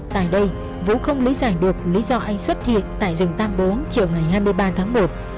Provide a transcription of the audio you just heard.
tại đây vũ không lý giải được lý do anh xuất hiện tại rừng tam bố chiều ngày hai mươi ba tháng một